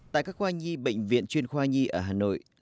tại các khoa nhi bệnh viện chuyên khoa nhi ở hà nội